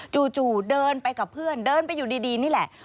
จู่เดินไปกับเพื่อนเดินไปอยู่ดีนี่แหละ